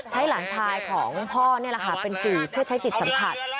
หลานชายของพ่อนี่แหละค่ะเป็นสื่อเพื่อใช้จิตสัมผัส